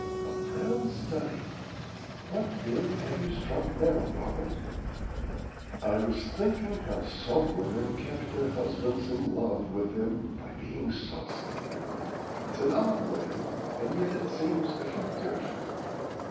"A brown study! What theory have you struck now, Robert?" "I was thinking how some women kept their husbands in love with them by being saucy. It's an odd way, and yet it seems effective."